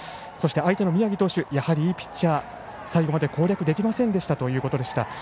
そして、相手の宮城投手はやはりいいピッチャーで最後まで攻略できませんでしたということでした。